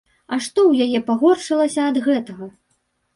А што ў яе пагоршылася ад гэтага?